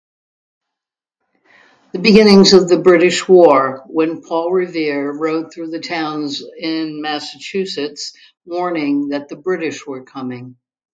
The beginnings of the British war, when Paul Revere rode through the towns in Massachusetts, warning that the British were coming.